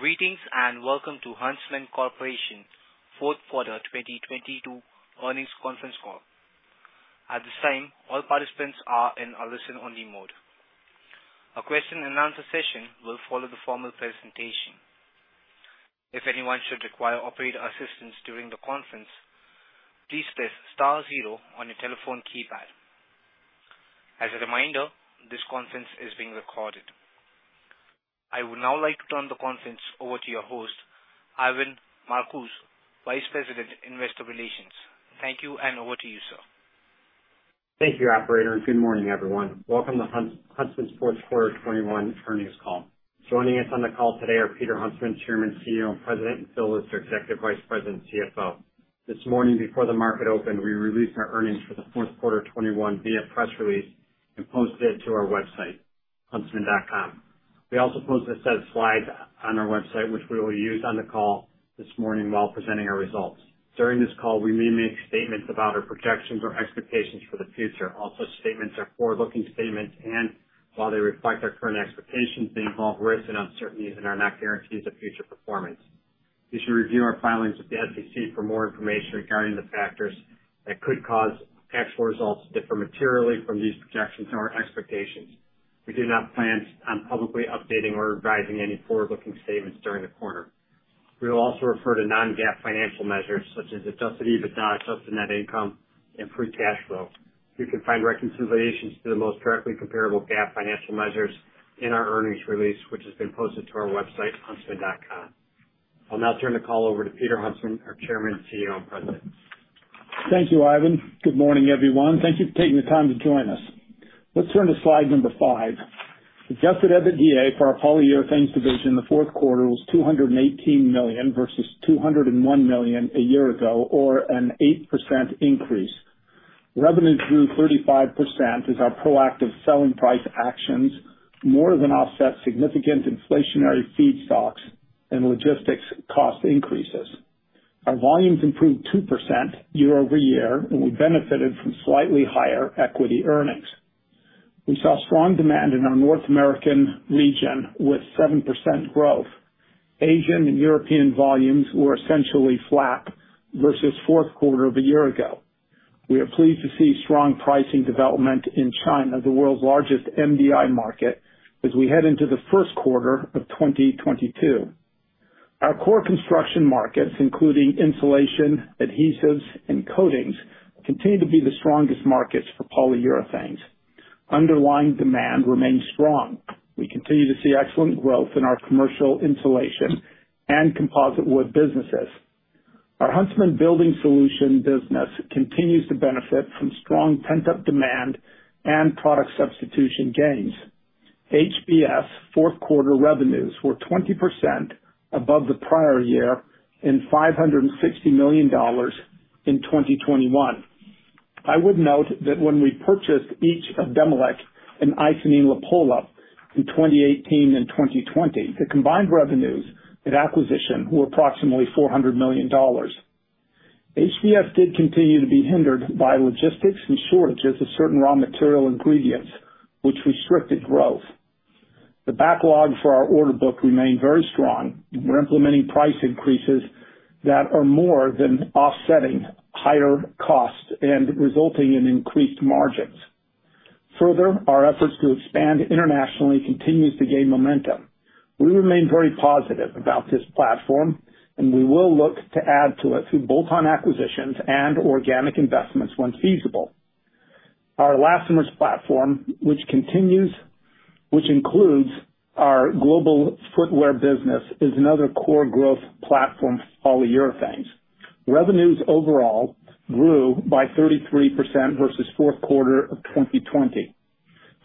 Greetings, and welcome to Huntsman Corporation Fourth Quarter 2022 Earnings Conference Call. At this time, all participants are in a listen-only mode. A question-and-answer session will follow the formal presentation. If anyone should require operator assistance during the conference, please press star zero on your telephone keypad. As a reminder, this conference is being recorded. I would now like to turn the conference over to your host, Ivan Marcuse, Vice President, Investor Relations. Thank you, and over to you, sir. Thank you, operator, and good morning, everyone. Welcome to Huntsman's Fourth Quarter 2021 Earnings Call. Joining us on the call today are Peter Huntsman, Chairman, CEO, and President, and Phil Lister, Executive Vice President and CFO. This morning before the market opened, we released our earnings for the fourth quarter 2021 via press release and posted it to our website, huntsman.com. We also posted a set of slides on our website which we will use on the call this morning while presenting our results. During this call, we may make statements about our projections or expectations for the future. All such statements are forward-looking statements, and while they reflect our current expectations, they involve risks and uncertainties and are not guarantees of future performance. You should review our filings with the SEC for more information regarding the factors that could cause actual results to differ materially from these projections or our expectations. We do not plan on publicly updating or revising any forward-looking statements during the quarter. We will also refer to non-GAAP financial measures such as adjusted EBITDA, adjusted net income, and free cash flow. You can find reconciliations to the most directly comparable GAAP financial measures in our earnings release, which has been posted to our website, huntsman.com. I'll now turn the call over to Peter Huntsman, our Chairman, CEO, and President. Thank you, Ivan. Good morning, everyone. Thank you for taking the time to join us. Let's turn to slide 5. Adjusted EBITDA for our Polyurethanes division in the fourth quarter was $218 million versus $201 million a year ago, or an 8% increase. Revenue grew 35% as our proactive selling price actions more than offset significant inflationary feedstocks and logistics cost increases. Our volumes improved 2% year-over-year, and we benefited from slightly higher equity earnings. We saw strong demand in our North American region with 7% growth. Asian and European volumes were essentially flat versus fourth quarter of a year ago. We are pleased to see strong pricing development in China, the world's largest MDI market, as we head into the first quarter of 2022. Our core construction markets, including insulation, adhesives, and coatings, continue to be the strongest markets for polyurethanes. Underlying demand remains strong. We continue to see excellent growth in our commercial insulation and composite wood businesses. Our Huntsman Building Solutions business continues to benefit from strong pent-up demand and product substitution gains. HBS fourth quarter revenues were 20% above the prior year and $560 million in 2021. I would note that when we purchased each of Demilec and Icynene-Lapolla in 2018 and 2020, the combined revenues at acquisition were approximately $400 million. HBS did continue to be hindered by logistics and shortages of certain raw material ingredients, which restricted growth. The backlog for our order book remained very strong. We're implementing price increases that are more than offsetting higher costs and resulting in increased margins. Further, our efforts to expand internationally continues to gain momentum. We remain very positive about this platform, and we will look to add to it through bolt-on acquisitions and organic investments once feasible. Our elastomers platform, which includes our global footwear business, is another core growth platform for Polyurethanes. Revenues overall grew by 33% versus fourth quarter of 2020.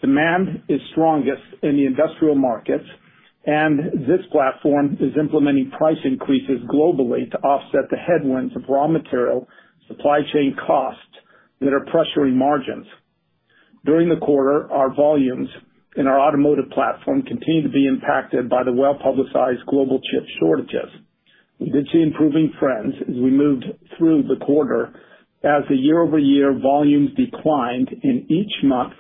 Demand is strongest in the industrial markets, and this platform is implementing price increases globally to offset the headwinds of raw material supply chain costs that are pressuring margins. During the quarter, our volumes in our automotive platform continued to be impacted by the well-publicized global chip shortages. We did see improving trends as we moved through the quarter as the year-over-year volumes declined in each month,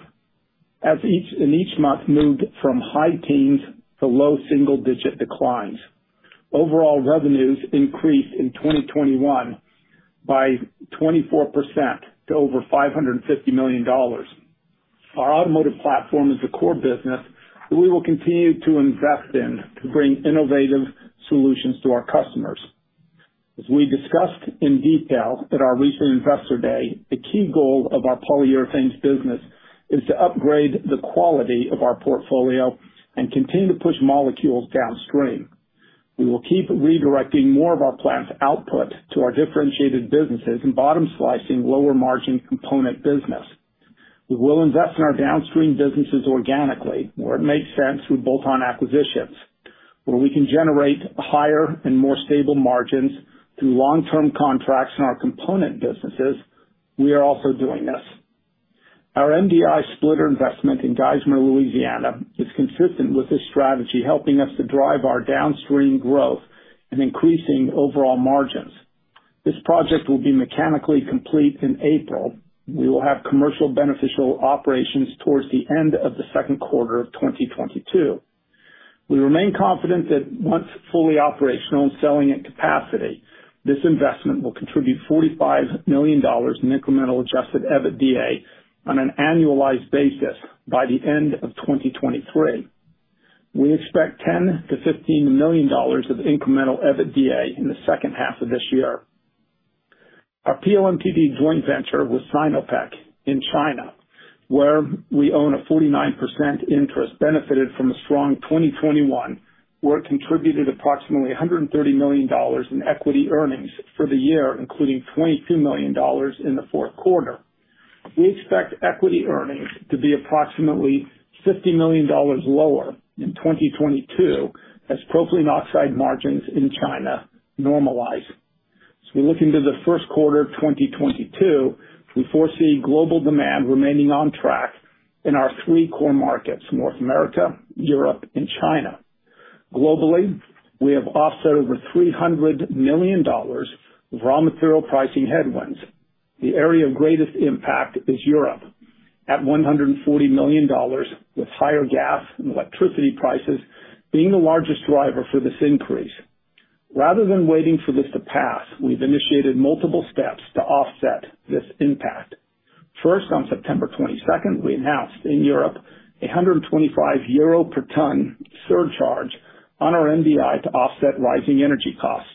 in each month moved from high teens to low single-digit declines. Overall revenues increased in 2021 by 24% to over $550 million. Our automotive platform is a core business that we will continue to invest in to bring innovative solutions to our customers. As we discussed in detail at our recent Investor Day, a key goal of our Polyurethanes business is to upgrade the quality of our portfolio and continue to push molecules downstream. We will keep redirecting more of our plant's output to our differentiated businesses and bottom slicing lower margin component business. We will invest in our downstream businesses organically, where it makes sense with bolt-on acquisitions. Where we can generate higher and more stable margins through long-term contracts in our component businesses, we are also doing this. Our MDI splitter investment in Geismar, Louisiana, is consistent with this strategy, helping us to drive our downstream growth and increasing overall margins. This project will be mechanically complete in April. We will have commercial beneficial operations towards the end of the second quarter of 2022. We remain confident that once fully operational and selling at capacity, this investment will contribute $45 million in incremental Adjusted EBITDA on an annualized basis by the end of 2023. We expect $10 million-$15 million of incremental EBITDA in the second half of this year. Our POM/MTBE joint venture with Sinopec in China, where we own a 49% interest, benefited from a strong 2021, where it contributed approximately $130 million in equity earnings for the year, including $22 million in the fourth quarter. We expect equity earnings to be approximately $50 million lower in 2022 as propylene oxide margins in China normalize. As we look into the first quarter of 2022, we foresee global demand remaining on track in our three core markets, North America, Europe, and China. Globally, we have offset over $300 million of raw material pricing headwinds. The area of greatest impact is Europe at $140 million, with higher gas and electricity prices being the largest driver for this increase. Rather than waiting for this to pass, we've initiated multiple steps to offset this impact. First, on September 22nd, we announced in Europe a 125 euro per ton surcharge on our MDI to offset rising energy costs.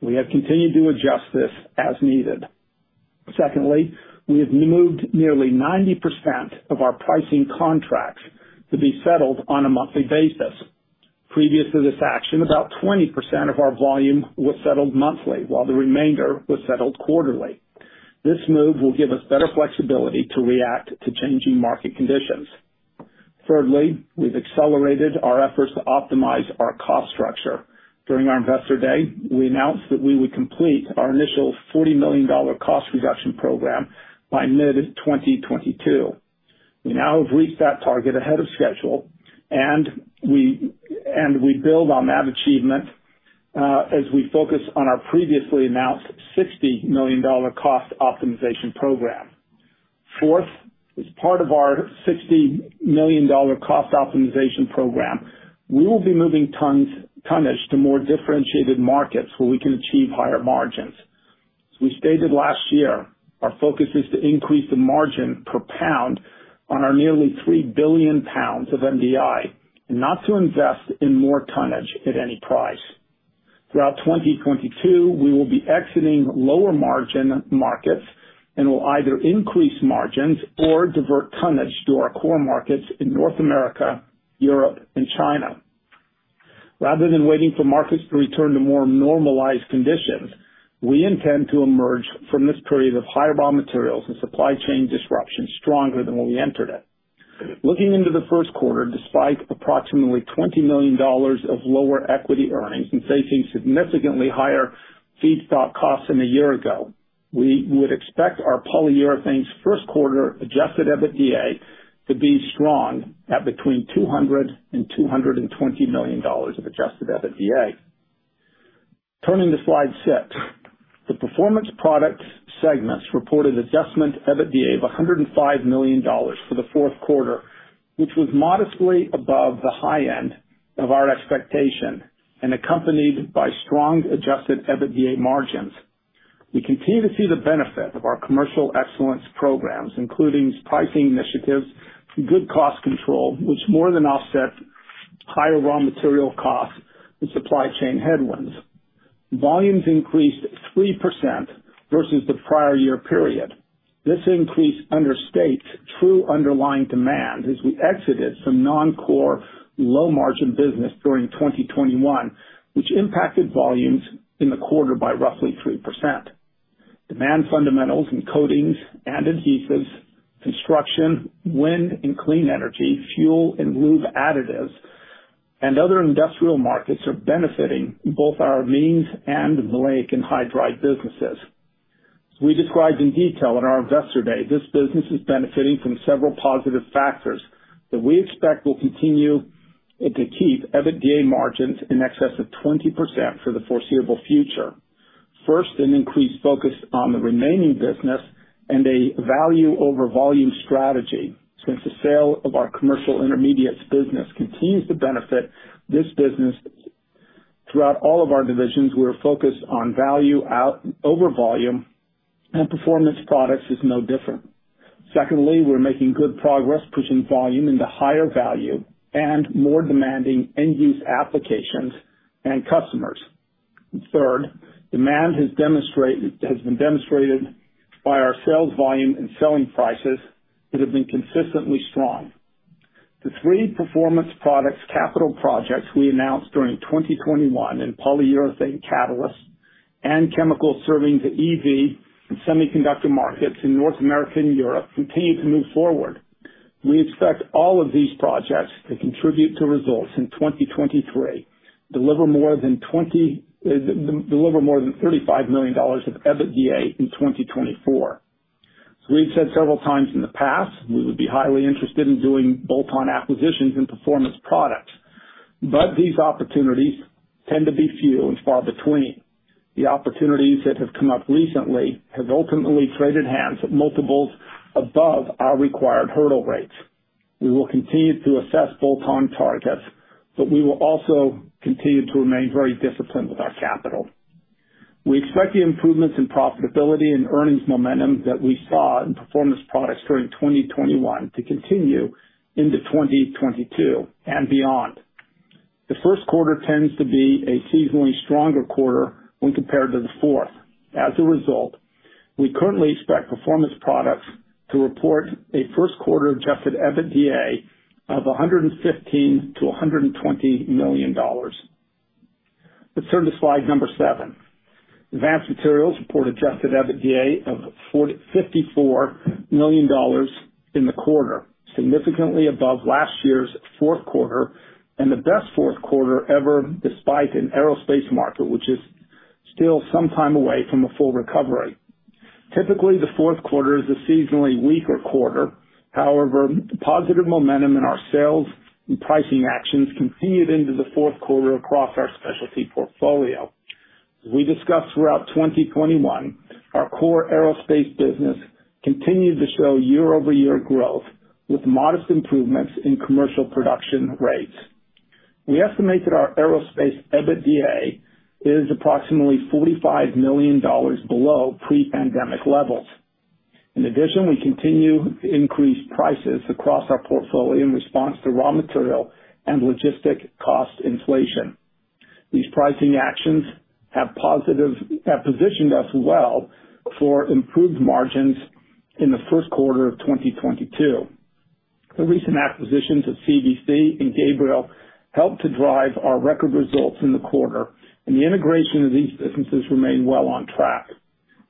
We have continued to adjust this as needed. Secondly, we have moved nearly 90% of our pricing contracts to be settled on a monthly basis. Previous to this action, about 20% of our volume was settled monthly, while the remainder was settled quarterly. This move will give us better flexibility to react to changing market conditions. Thirdly, we've accelerated our efforts to optimize our cost structure. During our Investor Day, we announced that we would complete our initial $40 million cost reduction program by mid-2022. We now have reached that target ahead of schedule and we build on that achievement, as we focus on our previously announced $60 million cost optimization program. Fourth, as part of our $60 million cost optimization program, we will be moving tonnage to more differentiated markets where we can achieve higher margins. As we stated last year, our focus is to increase the margin per lb on our nearly 3 billion lbs of MDI and not to invest in more tonnage at any price. Throughout 2022, we will be exiting lower margin markets and will either increase margins or divert tonnage to our core markets in North America, Europe and China. Rather than waiting for markets to return to more normalized conditions, we intend to emerge from this period of higher raw materials and supply chain disruptions stronger than when we entered it. Looking into the first quarter, despite approximately $20 million of lower equity earnings and facing significantly higher feedstock costs than a year ago, we would expect our Polyurethanes first quarter adjusted EBITDA to be strong at between $200 million and $220 million of Adjusted EBITDA. Turning to slide 6. The Performance Products segments reported Adjusted EBITDA of $105 million for the fourth quarter, which was modestly above the high end of our expectation and accompanied by strong Adjusted EBITDA margins. We continue to see the benefit of our commercial excellence programs, including pricing initiatives and good cost control, which more than offset higher raw material costs and supply chain headwinds. Volumes increased 3% versus the prior year period. This increase understates true underlying demand as we exited some non-core low margin business during 2021, which impacted volumes in the quarter by roughly 3%. Demand fundamentals in coatings and adhesives, construction, wind and clean energy, fuel and lube additives, and other industrial markets are benefiting both our amines and maleic anhydride businesses. As we described in detail at our Investor Day, this business is benefiting from several positive factors that we expect will continue to keep EBITDA margins in excess of 20% for the foreseeable future. First, an increased focus on the remaining business and a value over volume strategy. Since the sale of our commercial intermediates business continues to benefit this business, throughout all of our divisions, we're focused on value over volume and Performance Products is no different. Secondly, we're making good progress pushing volume into higher value and more demanding end use applications and customers. Third, demand has been demonstrated by our sales volume and selling prices that have been consistently strong. The three Performance Products capital projects we announced during 2021 in polyurethane catalysts and chemicals serving the EV and semiconductor markets in North America and Europe continue to move forward. We expect all of these projects to contribute to results in 2023, deliver more than $35 million of EBITDA in 2024. We've said several times in the past, we would be highly interested in doing bolt-on acquisitions in Performance Products, but these opportunities tend to be few and far between. The opportunities that have come up recently have ultimately traded hands at multiples above our required hurdle rates. We will continue to assess bolt-on targets, but we will also continue to remain very disciplined with our capital. We expect the improvements in profitability and earnings momentum that we saw in Performance Products during 2021 to continue into 2022 and beyond. The first quarter tends to be a seasonally stronger quarter when compared to the fourth. As a result, we currently expect Performance Products to report a first quarter Adjusted EBITDA of $115 million-$120 million. Let's turn to slide number 7. Advanced Materials reported Adjusted EBITDA of $54 million in the quarter, significantly above last year's fourth quarter and the best fourth quarter ever, despite an aerospace market which is still some time away from a full recovery. Typically, the fourth quarter is a seasonally weaker quarter. However, positive momentum in our sales and pricing actions continued into the fourth quarter across our Specialty portfolio. As we discussed throughout 2021, our core aerospace business continued to show year-over-year growth with modest improvements in commercial production rates. We estimate that our aerospace EBITDA is approximately $45 million below pre-pandemic levels. In addition, we continue to increase prices across our portfolio in response to raw material and logistic cost inflation. These pricing actions have positioned us well for improved margins in the first quarter of 2022. The recent acquisitions of CVC and Gabriel helped to drive our record results in the quarter, and the integration of these businesses remain well on track.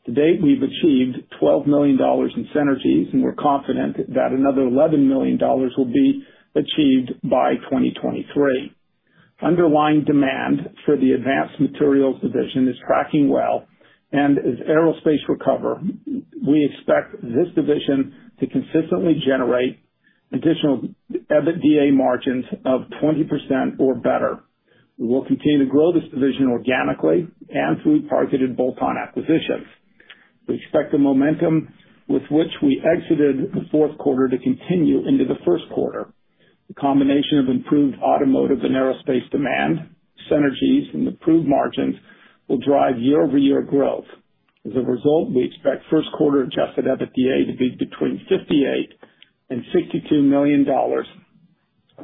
To date, we've achieved $12 million in synergies, and we're confident that another $11 million will be achieved by 2023. Underlying demand for the Advanced Materials division is tracking well, and as aerospace recover, we expect this division to consistently generate additional EBITDA margins of 20% or better. We will continue to grow this division organically and through targeted bolt-on acquisitions. We expect the momentum with which we exited the fourth quarter to continue into the first quarter. The combination of improved Automotive and aerospace demand, synergies and improved margins will drive year-over-year growth. As a result, we expect first quarter Adjusted EBITDA to be between $58 million and $62 million,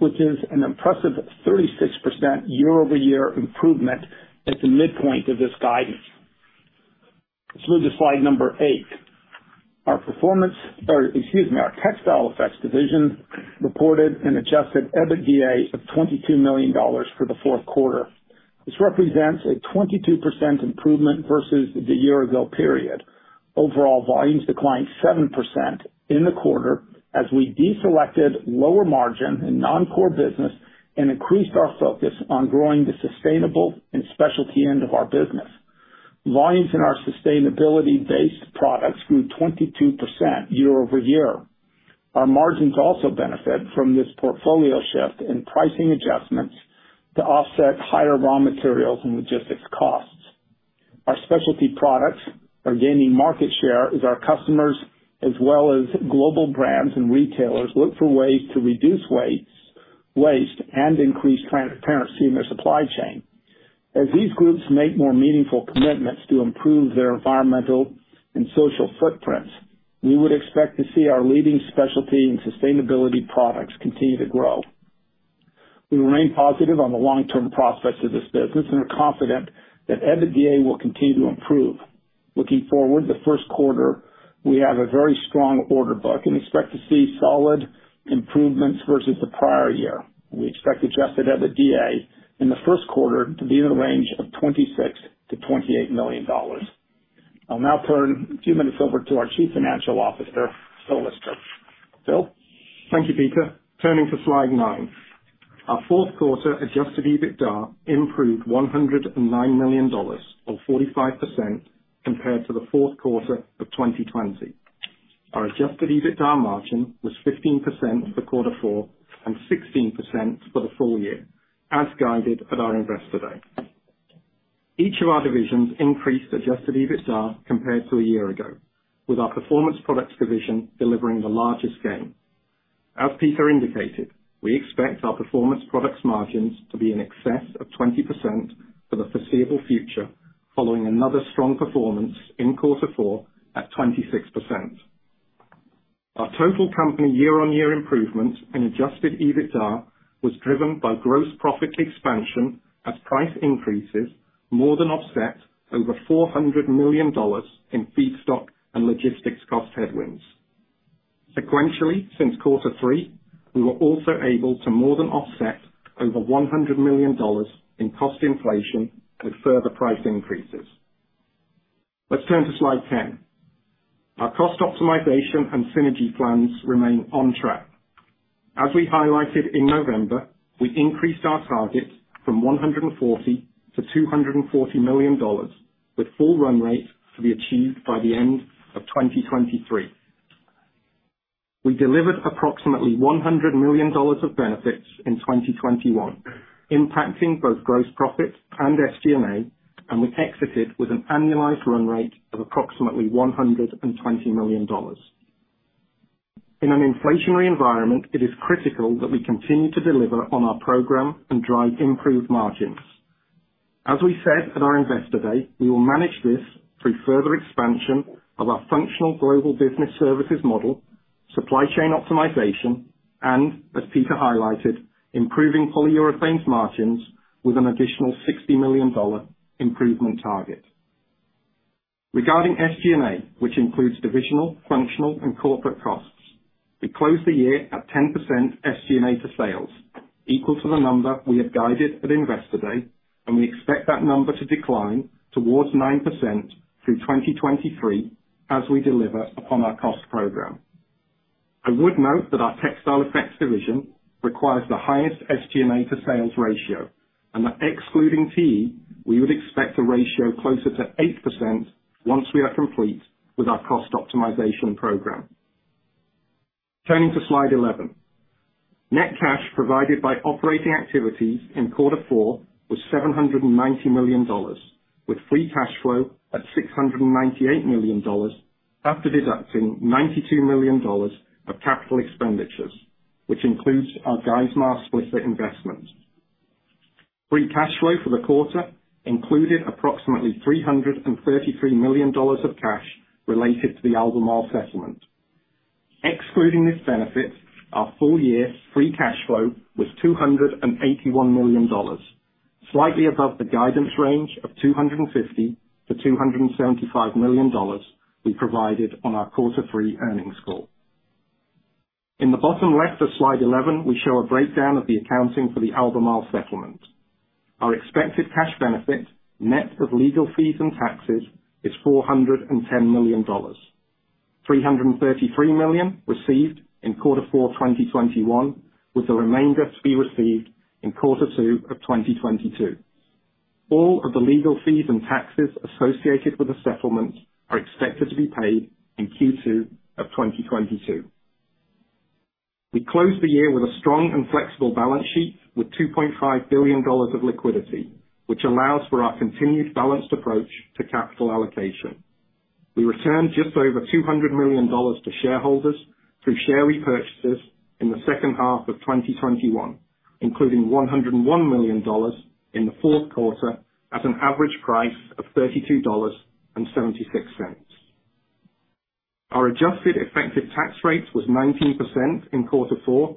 which is an impressive 36% year-over-year improvement at the midpoint of this guidance. Let's move to slide number 8. Our Textile Effects division reported an Adjusted EBITDA of $22 million for the fourth quarter. This represents a 22% improvement versus the year ago period. Overall volumes declined 7% in the quarter as we deselected lower margin and non-core business, and increased our focus on growing the sustainable and Specialty end of our business. Volumes in our sustainability-based products grew 22% year-over-year. Our margins also benefit from this portfolio shift and pricing adjustments to offset higher raw materials and logistics costs. Our Specialty products are gaining market share as our customers as well as global brands and retailers look for ways to reduce weight, waste and increase transparency in their supply chain. As these groups make more meaningful commitments to improve their environmental and social footprints, we would expect to see our leading Specialty and sustainability products continue to grow. We remain positive on the long-term prospects of this business and are confident that EBITDA will continue to improve. Looking forward, the first quarter, we have a very strong order book and expect to see solid improvements versus the prior year. We expect Adjusted EBITDA in the first quarter to be in the range of $26 million-$28 million. I'll now turn a few minutes over to our Chief Financial Officer, Phil Lister. Phil? Thank you, Peter. Turning to slide nine. Our fourth quarter Adjusted EBITDA improved $109 million or 45% compared to the fourth quarter of 2020. Our Adjusted EBITDA margin was 15% for quarter four and 16% for the full year, as guided at our Investor Day. Each of our divisions increased Adjusted EBITDA compared to a year ago, with our Performance Products division delivering the largest gain. As Peter indicated, we expect our Performance Products margins to be in excess of 20% for the foreseeable future, following another strong performance in quarter four at 26%. Our total company year-on-year improvement in Adjusted EBITDA was driven by gross profit expansion as price increases more than offset over $400 million in feedstock and logistics cost headwinds. Sequentially, since quarter three, we were also able to more than offset over $100 million in cost inflation with further price increases. Let's turn to slide 10. Our cost optimization and synergy plans remain on track. As we highlighted in November, we increased our target from $140 million to $240 million, with full run rate to be achieved by the end of 2023. We delivered approximately $100 million of benefits in 2021, impacting both gross profit and SG&A, and we exited with an annualized run rate of approximately $120 million. In an inflationary environment, it is critical that we continue to deliver on our program and drive improved margins. As we said at our Investor Day, we will manage this through further expansion of our functional global business services model, supply chain optimization, and as Peter highlighted, improving Polyurethanes margins with an additional $60 million improvement target. Regarding SG&A, which includes divisional, functional, and corporate costs, we closed the year at 10% SG&A to sales, equal to the number we have guided at Investor Day, and we expect that number to decline towards 9% through 2023 as we deliver upon our cost program. I would note that our Textile Effects division requires the highest SG&A to sales ratio and that excluding fee, we would expect a ratio closer to 8% once we are complete with our cost optimization program. Turning to slide 11. Net cash provided by operating activities in quarter four was $790 million with free cash flow at $698 million after deducting $92 million of capital expenditures, which includes our Geismar split investment. Free cash flow for the quarter included approximately $333 million of cash related to the Albemarle settlement. Excluding this benefit, our full year free cash flow was $281 million, slightly above the guidance range of $250 million-$275 million we provided on our quarter three earnings call. In the bottom left of slide 11, we show a breakdown of the accounting for the Albemarle settlement. Our expected cash benefit, net of legal fees and taxes, is $410 million. $333 million received in Q4 2021, with the remainder to be received in Q2 2022. All of the legal fees and taxes associated with the settlement are expected to be paid in Q2 2022. We closed the year with a strong and flexible balance sheet with $2.5 billion of liquidity, which allows for our continued balanced approach to capital allocation. We returned just over $200 million to shareholders through share repurchases in the second half of 2021, including $101 million in the fourth quarter at an average price of $32.76. Our adjusted effective tax rate was 19% in quarter four,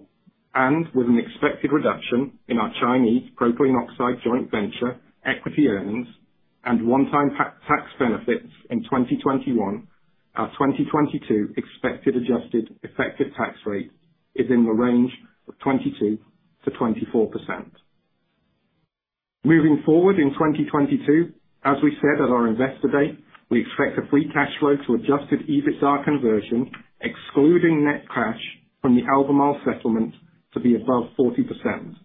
and with an expected reduction in our Chinese propylene oxide joint venture equity earnings and one-time tax benefits in 2021, our 2022 expected adjusted effective tax rate is in the range of 22%-24%. Moving forward in 2022, as we said at our Investor Day, we expect the free cash flow to Adjusted EBITDA conversion, excluding net cash from the Albemarle settlement, to be above 40%.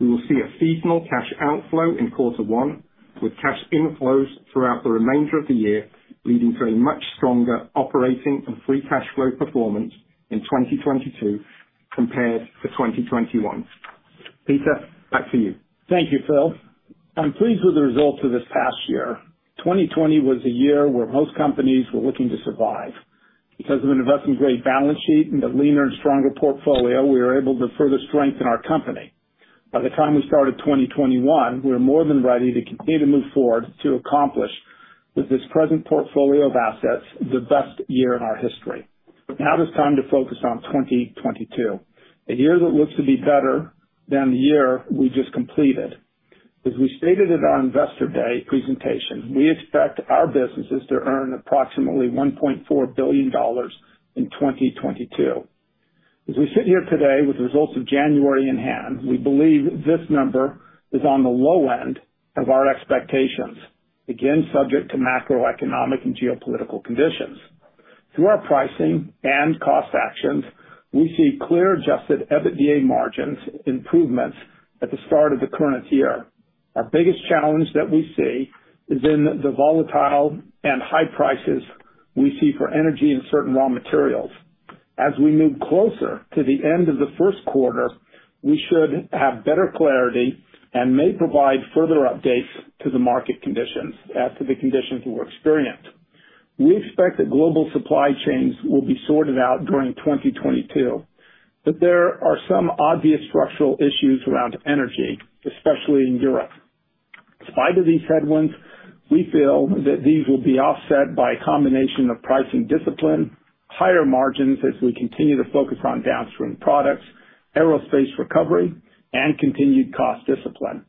We will see a seasonal cash outflow in quarter one, with cash inflows throughout the remainder of the year, leading to a much stronger operating and free cash flow performance in 2022 compared to 2021. Peter, back to you. Thank you, Phil. I'm pleased with the results of this past year. 2020 was a year where most companies were looking to survive. Because of an investment-grade balance sheet and a leaner and stronger portfolio, we were able to further strengthen our company. By the time we started 2021, we were more than ready to continue to move forward to accomplish, with this present portfolio of assets, the best year in our history. Now it is time to focus on 2022, a year that looks to be better than the year we just completed. As we stated at our Investor Day presentation, we expect our businesses to earn approximately $1.4 billion in 2022. As we sit here today with the results of January in hand, we believe this number is on the low end of our expectations. Subject to macroeconomic and geopolitical conditions. Through our pricing and cost actions, we see clear Adjusted EBITDA margins improvements at the start of the current year. Our biggest challenge that we see is in the volatile and high prices we see for energy and certain raw materials. As we move closer to the end of the first quarter, we should have better clarity and may provide further updates on the market conditions as to the conditions we're experiencing. We expect that global supply chains will be sorted out during 2022, but there are some obvious structural issues around energy, especially in Europe. In spite of these headwinds, we feel that these will be offset by a combination of pricing discipline, higher margins as we continue to focus on downstream products, aerospace recovery, and continued cost discipline.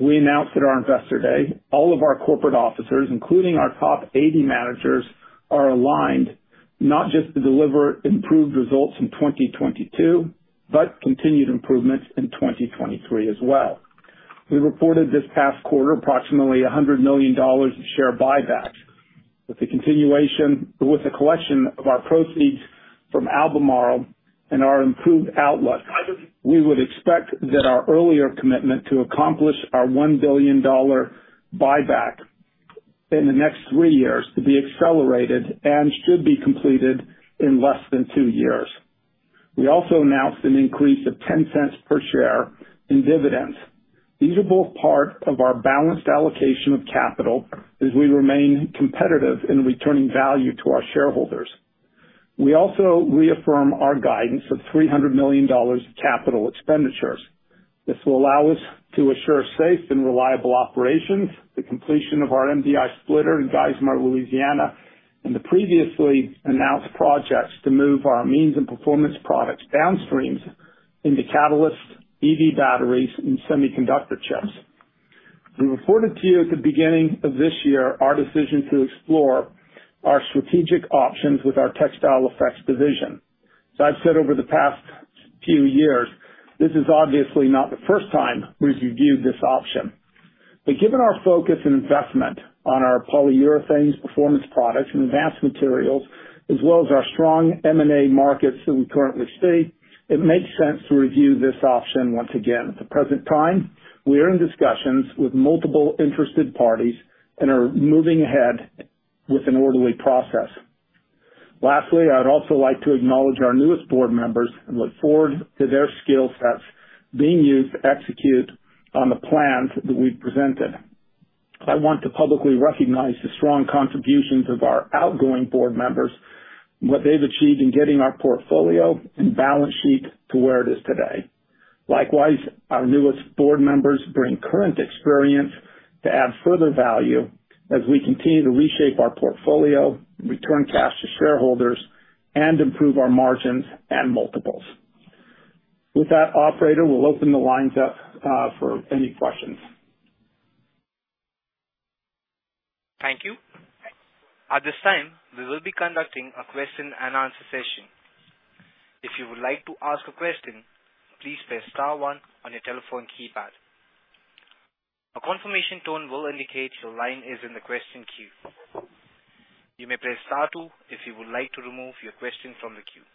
We announced at our Investor Day, all of our corporate officers, including our top 80 managers, are aligned not just to deliver improved results in 2022, but continued improvements in 2023 as well. We reported this past quarter approximately $100 million in share buybacks. With the collection of our proceeds from Albemarle and our improved outlook, we would expect that our earlier commitment to accomplish our $1 billion buyback in the next three years to be accelerated and should be completed in less than two years. We also announced an increase of $0.10 per share in dividends. These are both part of our balanced allocation of capital as we remain competitive in returning value to our shareholders. We also reaffirm our guidance of $300 million capital expenditures. This will allow us to assure safe and reliable operations, the completion of our MDI splitter in Geismar, Louisiana, and the previously announced projects to move our amines and Performance Products downstream into catalysts, EV batteries, and semiconductor chips. We reported to you at the beginning of this year our decision to explore our strategic options with our Textile Effects division. As I've said over the past few years, this is obviously not the first time we've reviewed this option. Given our focus and investment on our Polyurethanes Performance Products and Advanced Materials, as well as our strong M&A markets that we currently see, it makes sense to review this option once again. At the present time, we are in discussions with multiple interested parties and are moving ahead with an orderly process. Lastly, I would also like to acknowledge our newest board members and look forward to their skill sets being used to execute on the plans that we've presented. I want to publicly recognize the strong contributions of our outgoing board members and what they've achieved in getting our portfolio and balance sheet to where it is today. Likewise, our newest board members bring current experience to add further value as we continue to reshape our portfolio, return cash to shareholders, and improve our margins and multiples. With that, Operator, we'll open the lines up for any questions. Thank you. At this time, we will be conducting a question-and-answer session. If you would like to ask a question, please press star one on your telephone keypad. A confirmation tone will indicate your line is in the question queue. You may press star two if you would like to remove your question from the queue.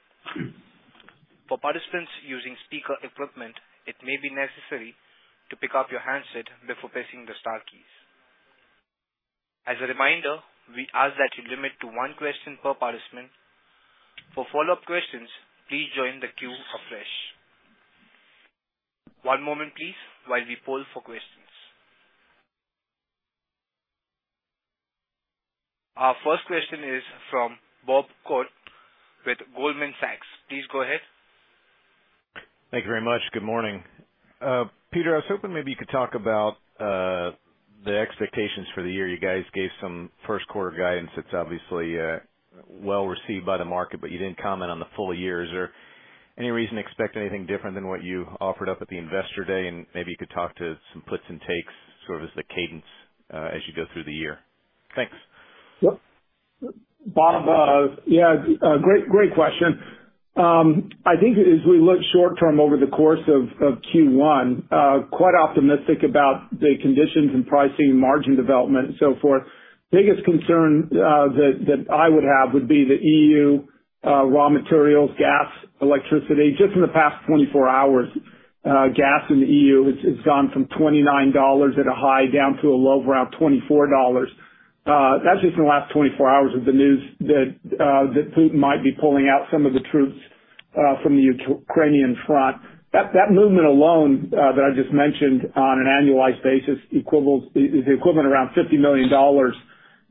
For participants using speaker equipment, it may be necessary to pick up your handset before pressing the star keys. As a reminder, we ask that you limit to one question per participant. For follow-up questions, please join the queue afresh. One moment, please, while we poll for questions. Our first question is from Bob Koort with Goldman Sachs. Please go ahead. Thank you very much. Good morning. Peter, I was hoping maybe you could talk about the expectations for the year. You guys gave some first quarter guidance that's obviously well received by the market, but you didn't comment on the full year. Is there any reason to expect anything different than what you offered up at the Investor Day? Maybe you could talk to some puts and takes sort of as the cadence as you go through the year. Thanks. Bob, yeah, great question. I think as we look short term over the course of Q1, quite optimistic about the conditions in pricing and margin development and so forth. Biggest concern that I would have would be the EU raw materials, gas, electricity. Just in the past 24 hours, gas in the EU has gone from $29 at a high down to a low of around $24. That's just in the last 24 hours of the news that Putin might be pulling out some of the troops from the Ukrainian front. That movement alone that I just mentioned on an annualized basis is equivalent around $50 million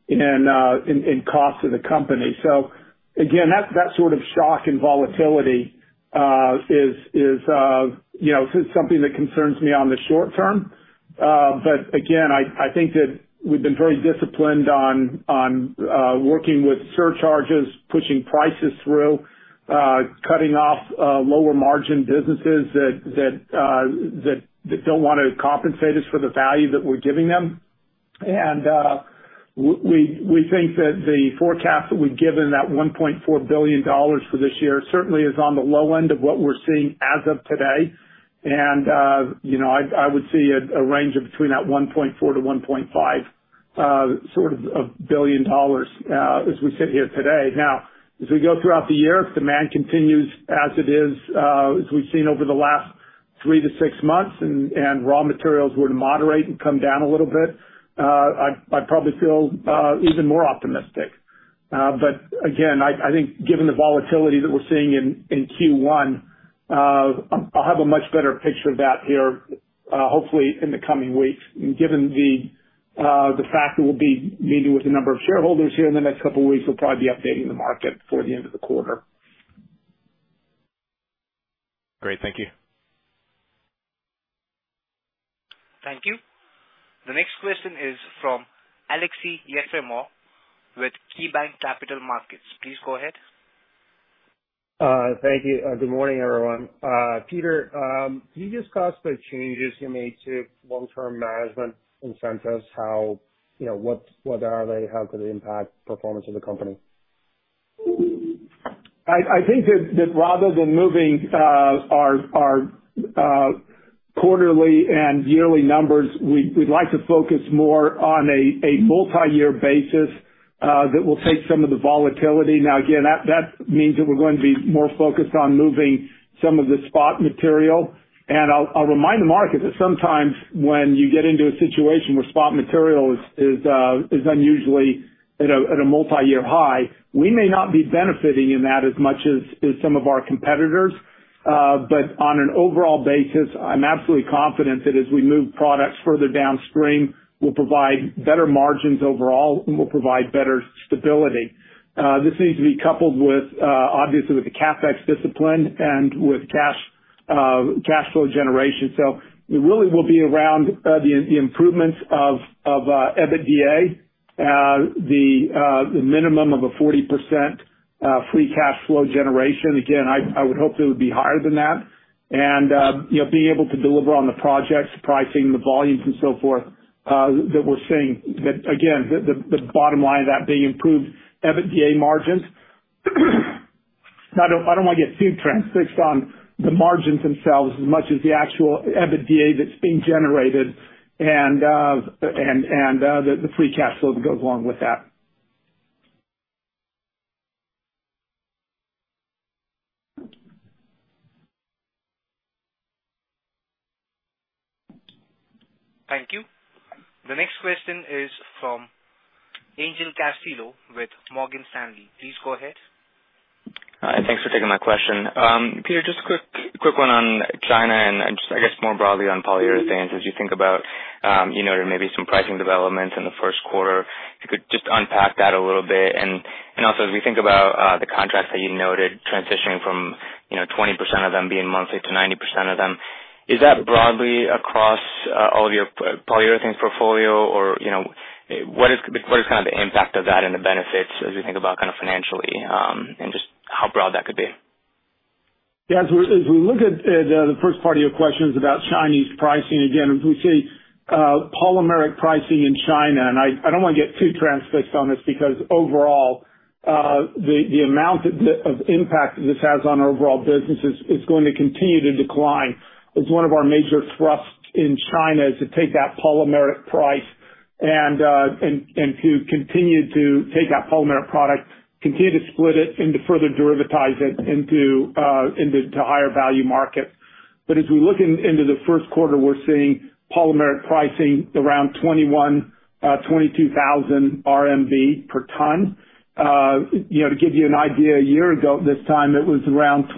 in cost to the company. Again, that's that sort of shock and volatility, you know, something that concerns me in the short term. Again, I think that we've been very disciplined on working with surcharges, pushing prices through, cutting off lower margin businesses that don't want to compensate us for the value that we're giving them. We think that the forecast that we've given, $1.4 billion for this year, certainly is on the low end of what we're seeing as of today. You know, I would see a range between $1.4 billion-$1.5 billion as we sit here today. Now, as we go throughout the year, if demand continues as it is, as we've seen over the last three to six months and raw materials were to moderate and come down a little bit, I'd probably feel even more optimistic. But again, I think given the volatility that we're seeing in Q1, I'll have a much better picture of that here, hopefully in the coming weeks. Given the fact that we'll be meeting with a number of shareholders here in the next couple weeks, we'll probably be updating the market before the end of the quarter. Great. Thank you. Thank you. The next question is from Aleksey Yefremov with KeyBanc Capital Markets. Please go ahead. Thank you. Good morning, everyone. Peter, can you discuss the changes you made to long-term management incentives? You know, what are they? How could they impact performance of the company? I think that rather than moving our quarterly and yearly numbers, we'd like to focus more on a multi-year basis that will take some of the volatility. Now, again, that means that we're going to be more focused on moving some of the spot material. I'll remind the market that sometimes when you get into a situation where spot material is unusually at a multi-year high, we may not be benefiting in that as much as some of our competitors. On an overall basis, I'm absolutely confident that as we move products further downstream, we'll provide better margins overall and we'll provide better stability. This needs to be coupled with, obviously, with the CapEx discipline and with cash flow generation. It really will be around the improvements of EBITDA, the minimum of a 40% free cash flow generation. Again, I would hope it would be higher than that. You know, being able to deliver on the projects, pricing, the volumes and so forth that we're seeing. That again, the bottom line of that being improved EBITDA margins. Now, I don't want to get too transfixed on the margins themselves as much as the actual EBITDA that's being generated and the free cash flow that goes along with that. Thank you. The next question is from Angel Castillo with Morgan Stanley. Please go ahead. Thanks for taking my question. Peter, just a quick one on China and just I guess more broadly on Polyurethanes. As you think about, you know, maybe some pricing developments in the first quarter, if you could just unpack that a little bit. And also, as we think about the contracts that you noted transitioning from, you know, 20% of them being monthly to 90% of them, is that broadly across all of your Polyurethanes portfolio? Or, you know, what is kind of the impact of that and the benefits as we think about kind of financially, and just how broad that could be? As we look at the first part of your questions about Chinese pricing, again, if we see polymeric pricing in China, and I don't want to get too transfixed on this because overall, the amount of impact that this has on our overall business is going to continue to decline. It's one of our major thrusts in China is to take that polymeric price and to continue to take that polymeric product, continue to split it and to further derivatize it into higher value markets. As we look into the first quarter, we're seeing polymeric pricing around 21,000-22,000 RMB per ton. You know, to give you an idea, a year ago this time it was around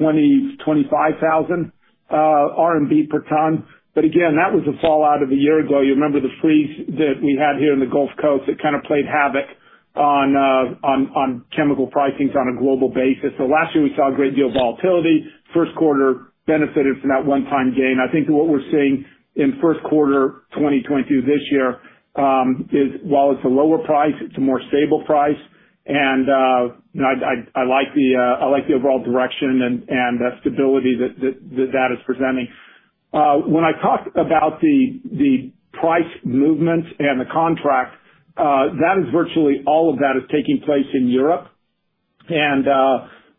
20,000-25,000 RMB per ton. Again, that was the fallout of a year ago. You remember the freeze that we had here in the Gulf Coast that kind of played havoc on chemical pricings on a global basis. Last year we saw a great deal of volatility. First quarter benefited from that one-time gain. I think what we're seeing in first quarter 2022 this year is while it's a lower price, it's a more stable price. You know, I like the overall direction and the stability that is presenting. When I talk about the price movements and the contracts, that is virtually all taking place in Europe.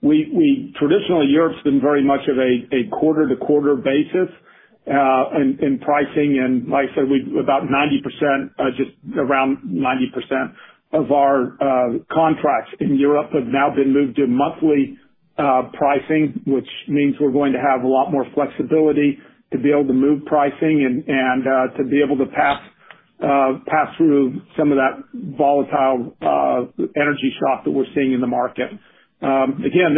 We traditionally Europe's been very much of a quarter-to-quarter basis in pricing. Like I said, we about 90%, just around 90% of our contracts in Europe have now been moved to monthly pricing, which means we're going to have a lot more flexibility to be able to move pricing and to be able to pass through some of that volatile energy shock that we're seeing in the market. Again,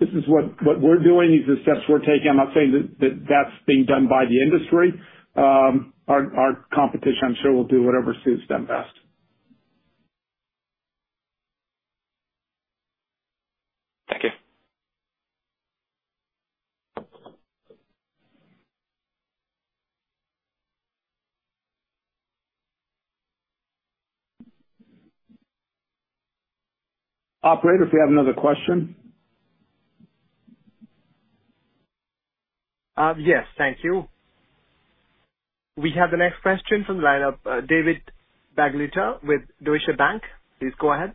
this is what we're doing. These are steps we're taking. I'm not saying that that's being done by the industry. Our competition, I'm sure will do whatever suits them best. Thank you. Operator, if we have another question. Yes. Thank you. We have the next question from the lineup, David Begleiter with Deutsche Bank. Please go ahead.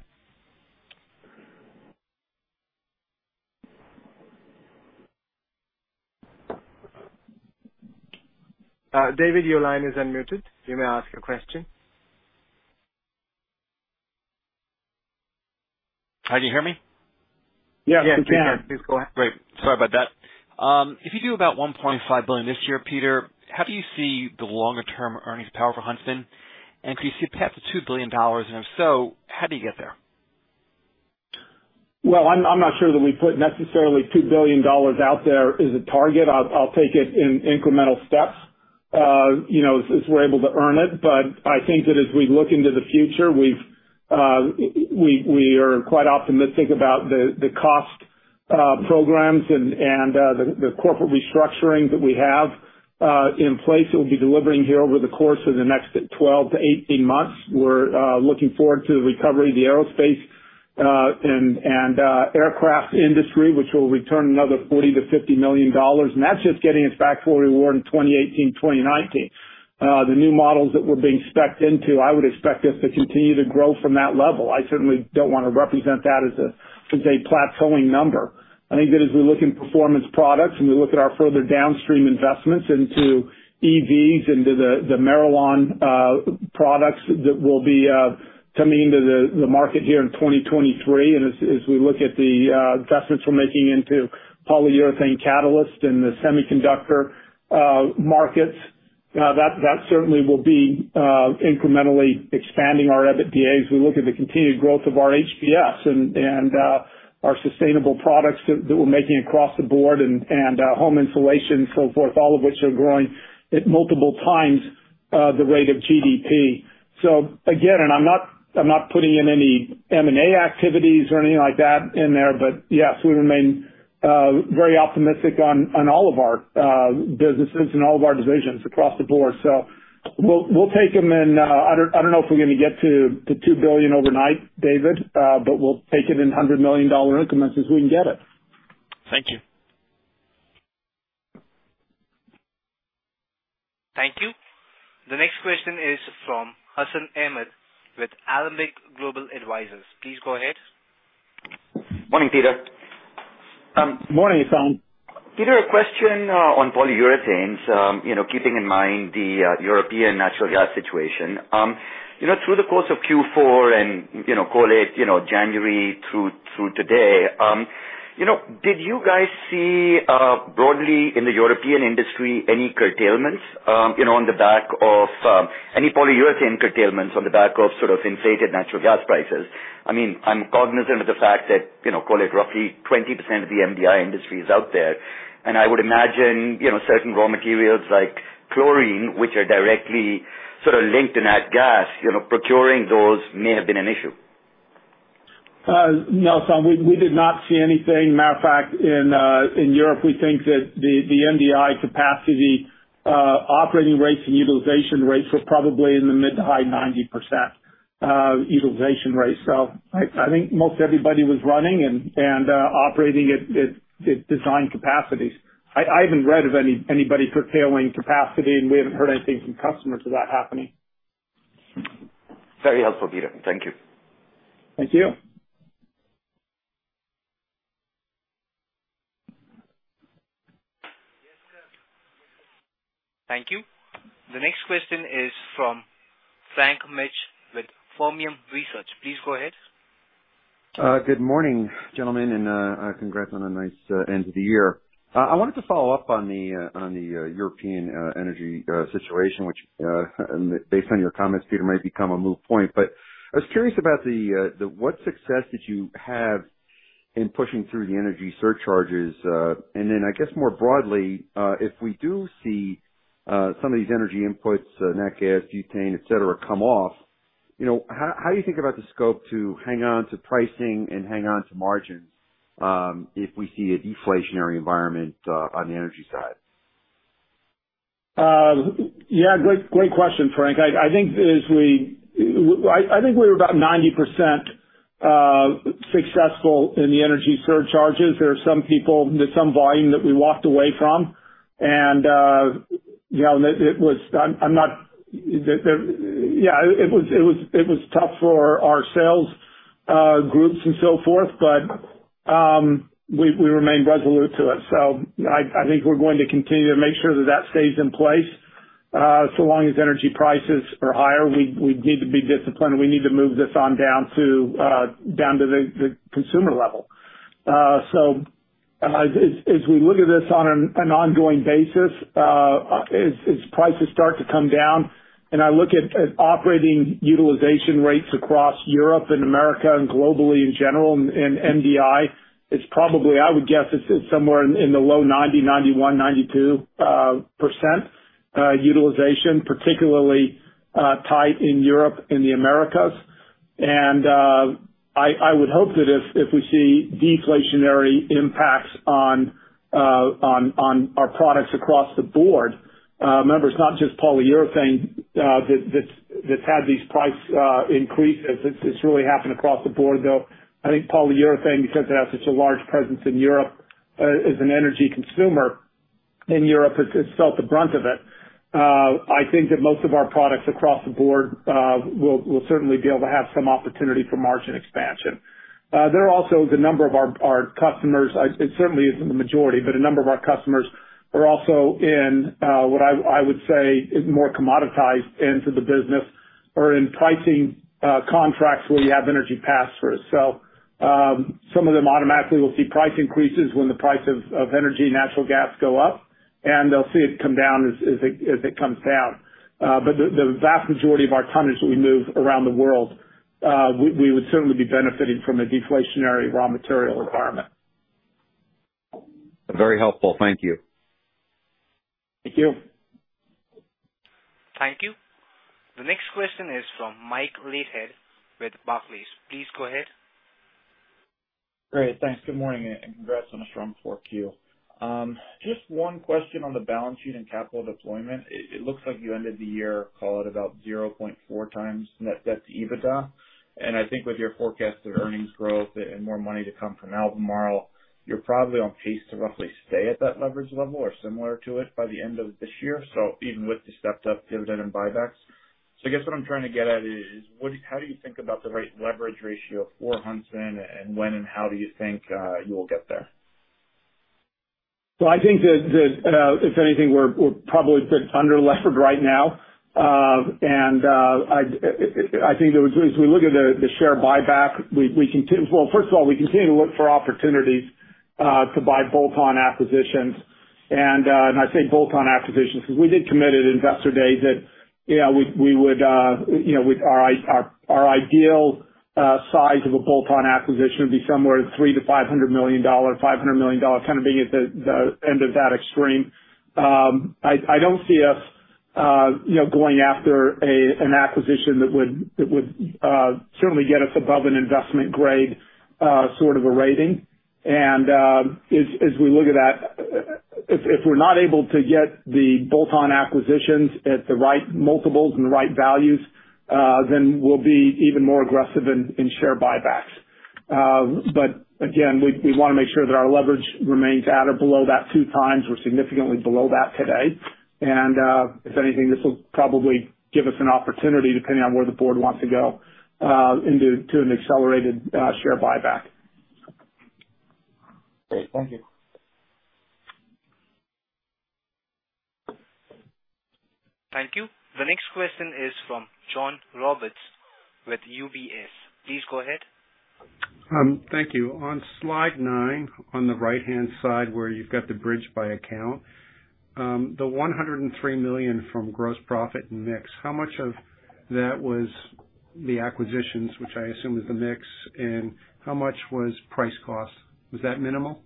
David, your line is unmuted. You may ask your question. Hi, can you hear me? Yes, we can. Yes, we can hear. Please go ahead. Great. Sorry about that. If you do about $1.5 billion this year, Peter, how do you see the longer-term earnings power for Huntsman? Could you see a path to $2 billion? If so, how do you get there? Well, I'm not sure that we put necessarily $2 billion out there as a target. I'll take it in incremental steps, you know, as we're able to earn it. I think that as we look into the future, we are quite optimistic about the cost programs and the corporate restructuring that we have in place that we'll be delivering here over the course of the next 12-18 months. We're looking forward to the recovery of the aerospace and aircraft industry, which will return another $40 million-$50 million. That's just getting us back to where we were in 2018, 2019. The new models that we're being spec'd into, I would expect us to continue to grow from that level. I certainly don't want to represent that as a plateauing number. I think that as we look in Performance Products and we look at our further downstream investments into EVs, into the MIRALON products that will be coming into the market here in 2023. As we look at the investments we're making into polyurethane catalyst and the semiconductor markets, that certainly will be incrementally expanding our EBITDA as we look at the continued growth of our HBS and our sustainable products that we're making across the board and home insulation, so forth, all of which are growing at multiple times the rate of GDP. I'm not putting in any M&A activities or anything like that in there, but yes, we remain very optimistic on all of our businesses and all of our divisions across the board. We'll take them and I don't know if we're going to get to the $2 billion overnight, David, but we'll take it in $100 million increments as we can get it. Thank you. Thank you. The next question is from Hassan Ahmed with Alembic Global Advisors. Please go ahead. Morning, Peter. Morning, Hassan. Peter, a question on Polyurethanes. You know, keeping in mind the European natural gas situation. You know, through the course of Q4 and, you know, call it, you know, January through today, you know, did you guys see broadly in the European industry any curtailments on the back of any polyurethane curtailments on the back of sort of inflated natural gas prices? I mean, I'm cognizant of the fact that, you know, call it roughly 20% of the MDI industry is out there, and I would imagine, you know, certain raw materials like chlorine, which are directly sort of linked in that gas, you know, procuring those may have been an issue. No, Hassan, we did not see anything. Matter of fact, in Europe, we think that the MDI capacity operating rates and utilization rates were probably in the mid- to high 90% utilization rate. I think most everybody was running and operating at designed capacities. I haven't read of anybody curtailing capacity, and we haven't heard anything from customers of that happening. Very helpful, Peter. Thank you. Thank you. Thank you. The next question is from Frank Mitsch with Fermium Research. Please go ahead. Good morning, gentlemen, and congrats on a nice end of the year. I wanted to follow up on the European energy situation, which, based on your comments, Peter, might become a moot point. I was curious about what success did you have in pushing through the energy surcharges? Then I guess more broadly, if we do see some of these energy inputs, nat gas, butane, et cetera, come off, you know, how do you think about the scope to hang on to pricing and hang on to margins, if we see a deflationary environment on the energy side? Great question, Frank. I think we're about 90% successful in the energy surcharges. There are some people, there's some volume that we walked away from. You know, it was tough for our sales groups and so forth. We remain resolute to it. I think we're going to continue to make sure that that stays in place. So long as energy prices are higher, we need to be disciplined. We need to move this on down to the consumer level. As we look at this on an ongoing basis, as prices start to come down and I look at operating utilization rates across Europe and America and globally in general in MDI, it's probably. I would guess it's somewhere in the low 90%, 91%, 92% utilization, particularly tight in Europe and the Americas. I would hope that if we see deflationary impacts on our products across the board, remember, it's not just polyurethane that's had these price increases. It's really happened across the board, though I think polyurethane, because it has such a large presence in Europe as an energy consumer in Europe, it's felt the brunt of it. I think that most of our products across the board will certainly be able to have some opportunity for margin expansion. There are also a number of our customers. It certainly isn't the majority, but a number of our customers are also in what I would say is more commoditized end to the business or in pricing contracts where you have energy pass-throughs. Some of them automatically will see price increases when the price of energy and natural gas go up, and they'll see it come down as it comes down. But the vast majority of our tonnage that we move around the world we would certainly be benefiting from a deflationary raw material environment. Very helpful. Thank you. Thank you. Thank you. The next question is from Mike Leithead with Barclays. Please go ahead. Great. Thanks. Good morning, and congrats on a strong 4Q. Just one question on the balance sheet and capital deployment. It looks like you ended the year call it about 0.4x net debt to EBITDA. I think with your forecast of earnings growth and more money to come from Albemarle, you're probably on pace to roughly stay at that leverage level or similar to it by the end of this year. Even with the stepped-up dividend buybacks. I guess what I'm trying to get at is how do you think about the right leverage ratio for Huntsman and when and how do you think you will get there? I think if anything, we're probably a bit underlevered right now. I think that as we look at the share buyback, we continue. Well, first of all, we continue to look for opportunities to buy bolt-on acquisitions. I say bolt-on acquisitions because we did commit at Investor Day that, yeah, we would, you know, with our ideal size of a bolt-on acquisition would be somewhere $300 million-$500 million, $500 million kind of being at the end of that extreme. I don't see us, you know, going after an acquisition that would certainly get us above an investment grade sort of a rating. As we look at that, if we're not able to get the bolt-on acquisitions at the right multiples and the right values, then we'll be even more aggressive in share buybacks. But again, we want to make sure that our leverage remains at or below that 2x. We're significantly below that today. If anything, this will probably give us an opportunity, depending on where the board wants to go, into an accelerated share buyback. Great. Thank you. Thank you. The next question is from John Roberts with UBS. Please go ahead. Thank you. On slide nine, on the right-hand side where you've got the bridge by account, the $103 million from gross profit mix, how much of that was the acquisitions, which I assume is the mix, and how much was price cost? Was that minimal?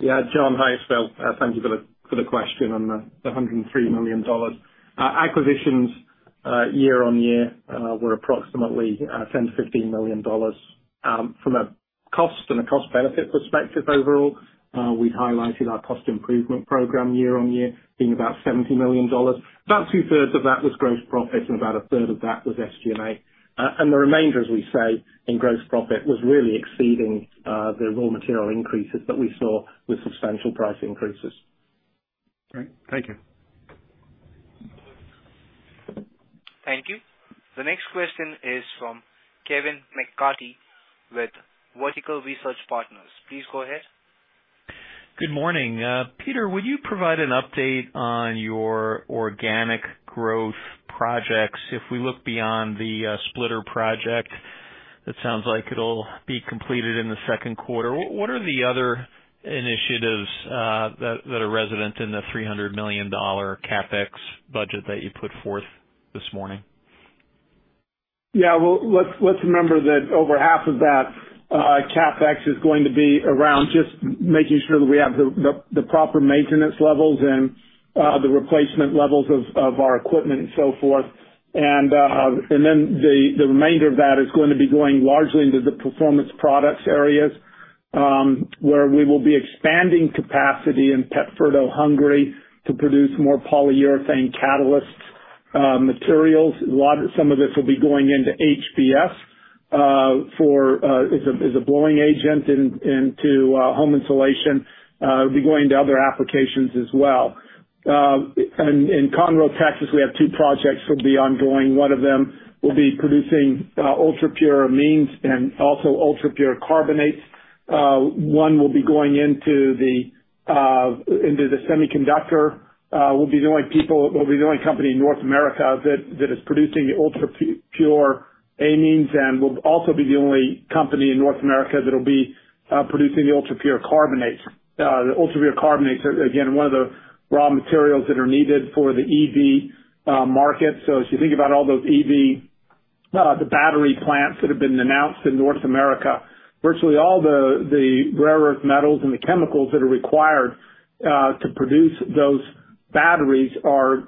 Yeah. John, hi, it's Phil. Thank you for the question on the $103 million. Acquisitions year on year were approximately $10 million-$15 million. From a cost benefit perspective overall, we highlighted our cost improvement program year on year being about $70 million. About 2/3 of that was gross profit and about 1/3 of that was SG&A. The remainder, as we say, in gross profit, was really exceeding the raw material increases that we saw with substantial price increases. Great. Thank you. Thank you. The next question is from Kevin McCarthy with Vertical Research Partners. Please go ahead. Good morning. Peter, would you provide an update on your organic growth projects? If we look beyond the splitter project, it sounds like it'll be completed in the second quarter. What are the other initiatives that are resident in the $300 million CapEx budget that you put forth this morning? Yeah. Well, let's remember that over half of that CapEx is going to be around just making sure that we have the proper maintenance levels and the replacement levels of our equipment and so forth. Then the remainder of that is going to be going largely into the Performance Products areas, where we will be expanding capacity in Pétfürdő, Hungary to produce more polyurethane catalyst materials. A lot of some of this will be going into HBS as a blowing agent into home insulation. It'll be going to other applications as well. In Conroe, Texas, we have two projects that will be ongoing. One of them will be producing ultrapure amines and also ultrapure carbonates. One will be going into the semiconductor. We'll be the only people we'll be the only company in North America that is producing the ultrapure amines, and we'll also be the only company in North America that'll be producing the ultrapure carbonates. The ultrapure carbonates are, again, one of the raw materials that are needed for the EV market. As you think about all those EV battery plants that have been announced in North America, virtually all the rare earth metals and the chemicals that are required to produce those batteries are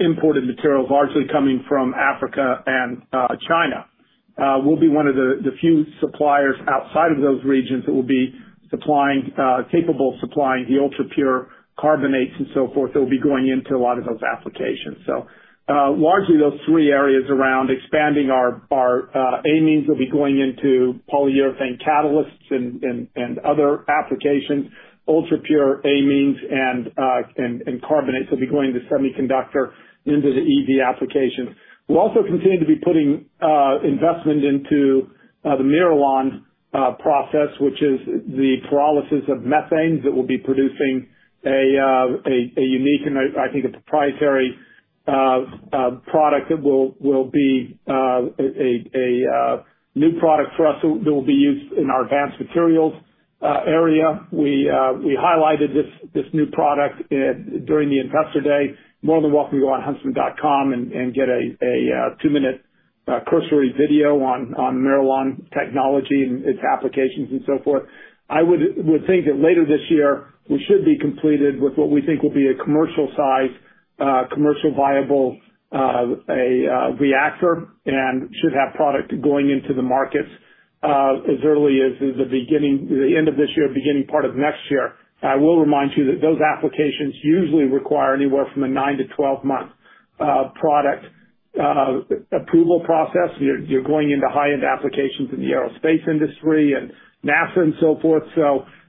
imported materials, largely coming from Africa and China. We'll be one of the few suppliers outside of those regions capable of supplying the ultrapure carbonates and so forth that will be going into a lot of those applications. Largely those three areas around expanding our amines that'll be going into polyurethane catalysts and other applications. Ultrapure amines and carbonates will be going to semiconductor into the EV application. We'll also continue to be putting investment into the MIRALON process, which is the pyrolysis of methane that will be producing a unique and I think a proprietary product that will be a new product for us that will be used in our Advanced Materials area. We highlighted this new product during the Investor Day. More than welcome to go on huntsman.com and get a two-minute cursory video on MIRALON technology and its applications and so forth. I would think that later this year we should be completed with what we think will be a commercial size, commercially viable reactor, and should have product going into the markets as early as the end of this year, beginning part of next year. I will remind you that those applications usually require anywhere from a 9-12-month product approval process. You're going into high-end applications in the aerospace industry and NASA and so forth.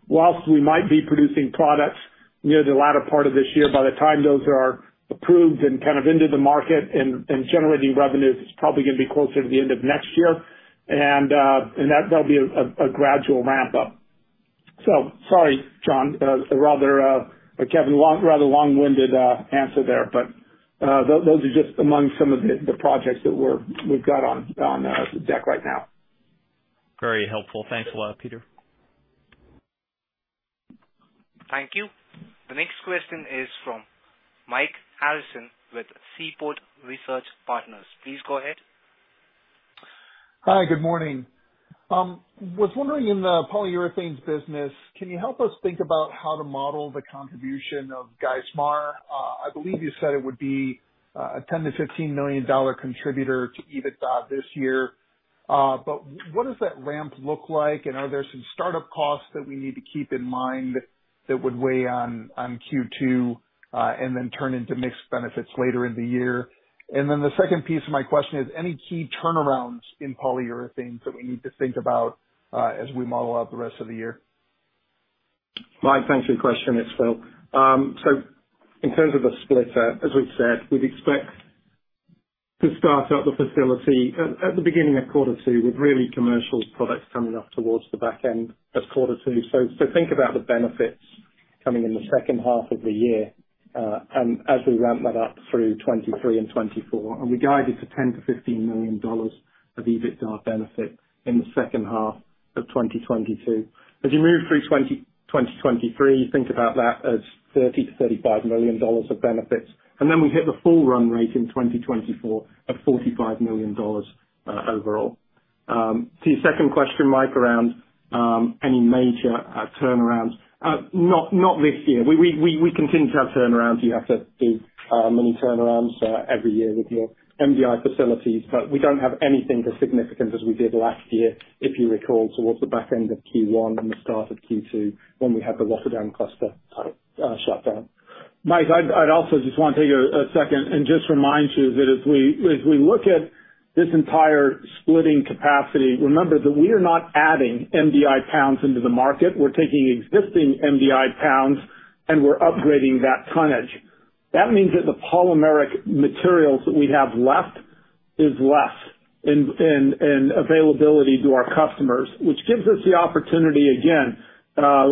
Whilst we might be producing products near the latter part of this year, by the time those are approved and kind of into the market and generating revenues, it's probably going to be closer to the end of next year. That'll be a gradual ramp up. Sorry, John, rather, Kevin, long-winded answer there, but those are just among some of the projects that we've got on the deck right now. Very helpful. Thanks a lot, Peter. Thank you. The next question is from Mike Harrison with Seaport Research Partners. Please go ahead. Hi, good morning. Was wondering in the Polyurethanes business, can you help us think about how to model the contribution of Geismar? I believe you said it would be a $10 million-$15 million contributor to EBITDA this year. What does that ramp look like? Are there some startup costs that we need to keep in mind that would weigh on Q2, and then turn into mixed benefits later in the year? The second piece of my question is any key turnarounds in Polyurethanes that we need to think about as we model out the rest of the year? Mike, thanks for your question. It's Phil. In terms of the splitter, as we've said, we'd expect to start up the facility at the beginning of quarter two, with really commercial products coming up towards the back end of quarter two. Think about the benefits coming in the second half of the year, and as we ramp that up through 2023 and 2024. We guided to $10 million-$15 million of EBITDA benefit in the second half of 2022. As you move through 2023, think about that as $30 million-$35 million of benefits. Then we hit the full run rate in 2024 at $45 million overall. To your second question, Mike, around any major turnarounds. Not this year. We continue to have turnarounds. You have to do many turnarounds every year with your MDI facilities. We don't have anything as significant as we did last year, if you recall, towards the back end of Q1 and the start of Q2 when we had the Rotterdam cluster shut down. Mike, I'd also just want to take a second and just remind you that as we look at this entire splitting capacity, remember that we are not adding MDI pounds into the market. We're taking existing MDI pounds, and we're upgrading that tonnage. That means that the polymeric materials that we have left is less in availability to our customers, which gives us the opportunity, again,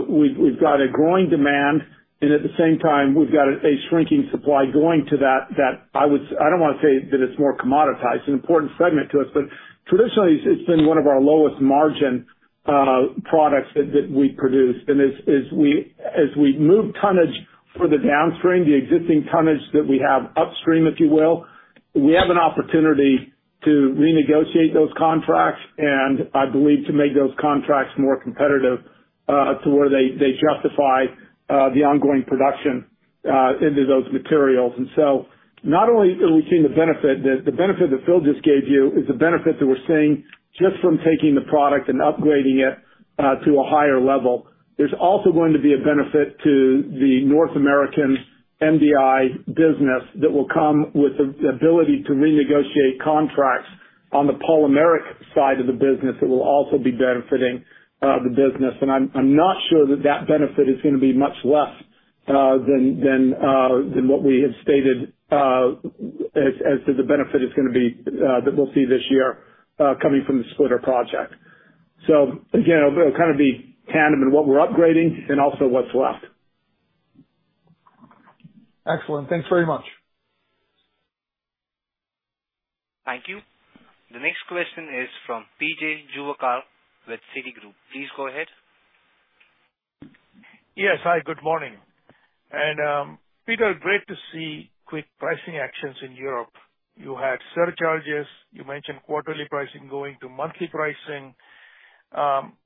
we've got a growing demand, and at the same time we've got a shrinking supply going to that I would. I don't want to say that it's more commoditized. It's an important segment to us, but traditionally it's been one of our lowest margin products that we produce. As we move tonnage for the downstream, the existing tonnage that we have upstream, if you will, we have an opportunity to renegotiate those contracts, and I believe to make those contracts more competitive to where they justify the ongoing production into those materials. Not only are we seeing the benefit that Phil just gave you is the benefit that we're seeing just from taking the product and upgrading it to a higher level. There's also going to be a benefit to the North American MDI business that will come with the ability to renegotiate contracts on the polymeric side of the business that will also be benefiting the business. I'm not sure that benefit is going to be much less than what we have stated as to the benefit it's going to be that we'll see this year coming from the splitter project. Again, it'll kind of be tandem in what we're upgrading and also what's left. Excellent. Thanks very much. Thank you. The next question is from P.J. Juvekar with Citigroup. Please go ahead. Yes. Hi, good morning. Peter, great to see quick pricing actions in Europe. You had surcharges. You mentioned quarterly pricing going to monthly pricing.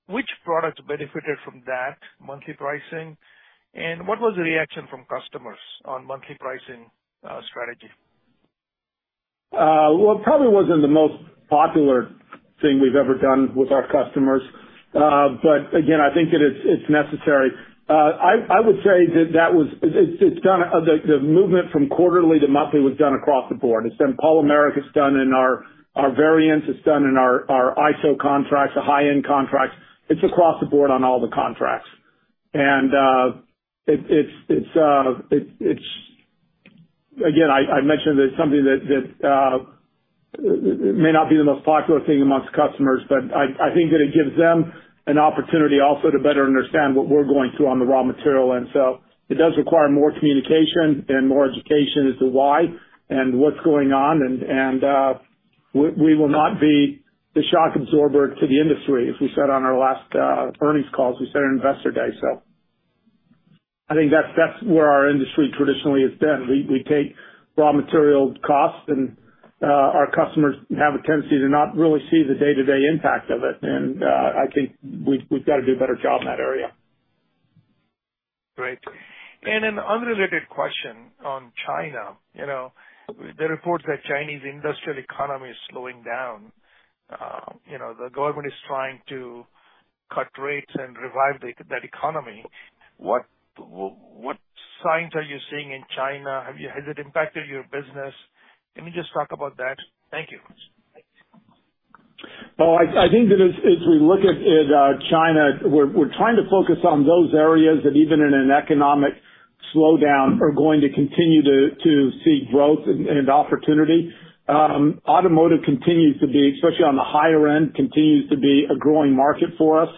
Which products benefited from that monthly pricing? What was the reaction from customers on monthly pricing strategy? Well, it probably wasn't the most popular thing we've ever done with our customers. But again, I think that it's necessary. I would say that it's done, the movement from quarterly to monthly was done across the board. It's been polymeric, it's done in our variants, it's done in our ISO contracts, the high-end contracts. It's across the board on all the contracts. It's something that I mentioned that may not be the most popular thing amongst customers, but I think that it gives them an opportunity also to better understand what we're going through on the raw material end. It does require more communication and more education as to why and what's going on. We will not be the shock absorber to the industry, as we said on our last earnings call, as we said on Investor Day. I think that's where our industry traditionally has been. We take raw material costs, and our customers have a tendency to not really see the day-to-day impact of it. I think we've got to do a better job in that area. Great. An unrelated question on China. You know, the reports that Chinese industrial economy is slowing down. You know, the government is trying to cut rates and revive that economy. What signs are you seeing in China? Has it impacted your business? Can you just talk about that? Thank you. Well, I think that as we look at China, we're trying to focus on those areas that even in an economic slowdown are going to continue to see growth and opportunity. Automotive continues to be, especially on the higher end, a growing market for us.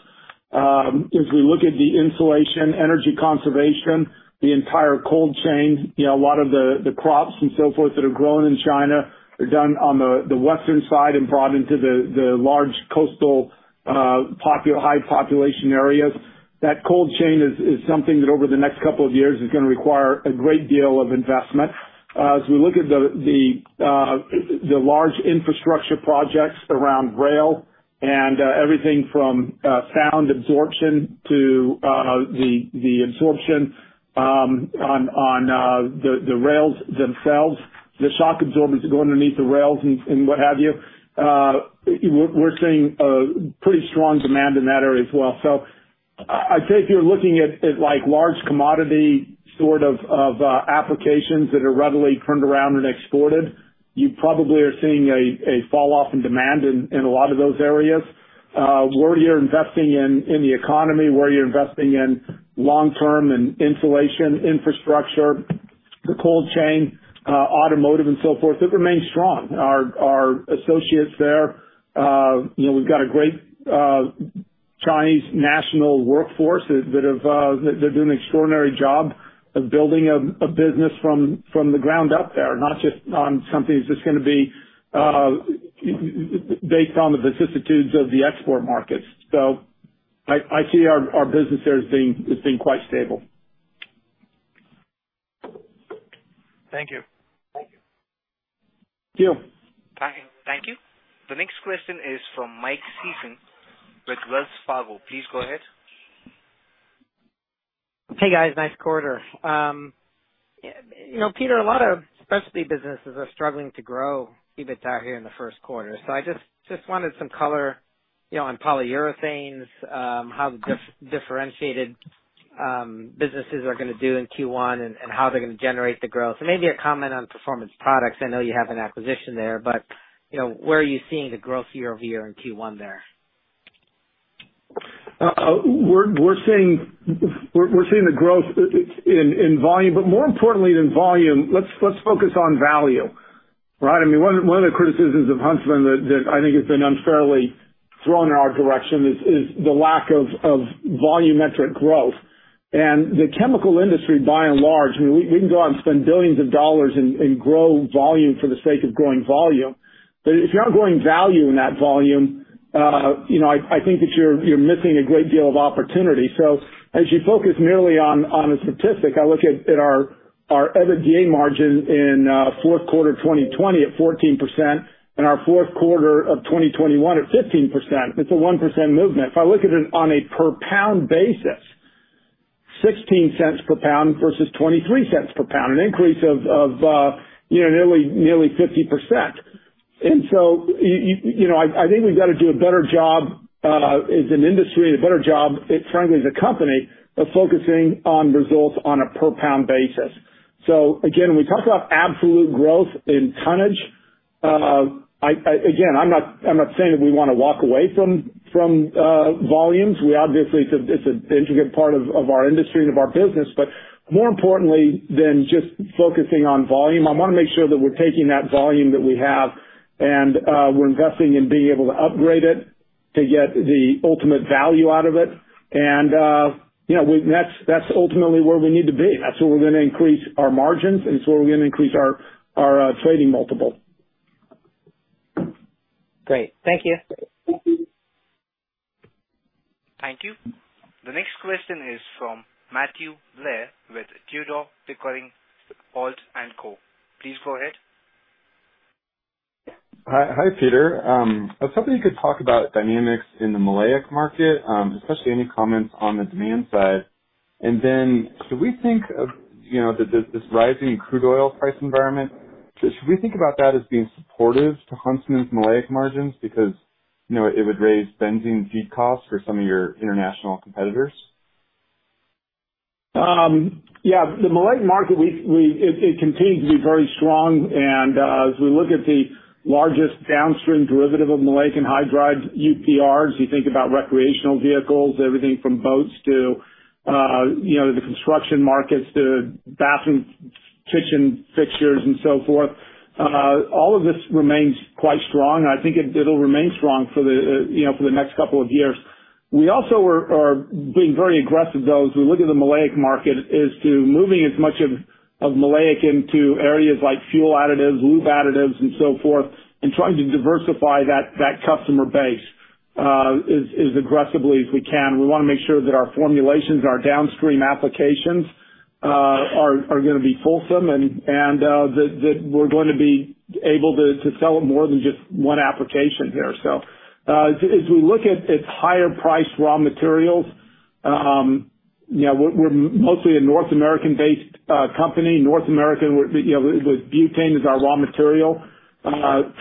As we look at the insulation, energy conservation, the entire cold chain, you know, a lot of the crops and so forth that are grown in China are done on the western side and brought into the large coastal high population areas. That cold chain is something that over the next couple of years is going to require a great deal of investment. As we look at the large infrastructure projects around rail and everything from sound absorption to the absorption on the rails themselves, the shock absorbers that go underneath the rails and what have you, we're seeing pretty strong demand in that area as well. I'd say if you're looking at like large commodity sort of applications that are readily turned around and exported, you probably are seeing a falloff in demand in a lot of those areas. Where you're investing in the economy, where you're investing in long-term and insulation infrastructure, the cold chain, automotive and so forth, it remains strong. Our associates there, you know, we've got a great Chinese national workforce that have they're doing an extraordinary job of building a business from the ground up there, not just on something that's just going to be based on the vicissitudes of the export markets. I see our business there as being quite stable. Thank you. Thank you. Thank you. The next question is from Mike Sison with Wells Fargo. Please go ahead. Hey, guys, nice quarter. You know, Peter, a lot of Specialty businesses are struggling to grow EBITDA here in the first quarter. I just wanted some color, you know, on Polyurethanes, how the differentiated businesses are going to do in Q1 and how they're going to generate the growth. Maybe a comment on Performance Products. I know you have an acquisition there, but you know, where are you seeing the growth year-over-year in Q1 there? We're seeing the growth in volume. But more importantly than volume, let's focus on value, right? I mean, one of the criticisms of Huntsman that I think has been unfairly thrown in our direction is the lack of volumetric growth. The chemical industry, by and large, I mean, we can go out and spend billions of dollars and grow volume for the sake of growing volume. But if you're not growing value in that volume, you know, I think that you're missing a great deal of opportunity. As you focus merely on a statistic, I look at our EBITDA margin in fourth quarter 2020 at 14% and our fourth quarter of 2021 at 15%. It's a 1% movement. If I look at it on a per pound basis, $0.16 per lb versus $0.23 per lb, an increase of nearly 50%. You know, I think we've got to do a better job as an industry and a better job, frankly, as a company, of focusing on results on a per pound basis. Again, when we talk about absolute growth in tonnage, I again, I'm not saying that we want to walk away from volumes. We obviously, it's an intricate part of our industry and of our business. But more importantly than just focusing on volume, I want to make sure that we're taking that volume that we have and we're investing in being able to upgrade it to get the ultimate value out of it. You know, that's ultimately where we need to be. That's where we're going to increase our margins, and that's where we're going to increase our trading multiple. Great. Thank you. Thank you. The next question is from Matthew Blair with Tudor, Pickering, Holt & Co. Please go ahead. Hi. Hi, Peter. I was hoping you could talk about dynamics in the maleic market, especially any comments on the demand side. Should we think of this rising crude oil price environment, should we think about that as being supportive to Huntsman's maleic margins because it would raise benzene feed costs for some of your international competitors? Yeah, the maleic market, it continues to be very strong. As we look at the largest downstream derivative of maleic anhydride, UPRs, you think about recreational vehicles, everything from boats to, you know, the construction markets to bathroom, kitchen fixtures and so forth. All of this remains quite strong. I think it'll remain strong for the, you know, for the next couple of years. We also are being very aggressive, though, as we look at the maleic market, as to moving as much of maleic into areas like fuel additives, lube additives and so forth, and trying to diversify that customer base as aggressively as we can. We want to make sure that our formulations and our downstream applications are going to be fulsome and that we're going to be able to sell it more than just one application here. As we look at its higher priced raw materials, we're mostly a North American-based company. North America, with butane as our raw material.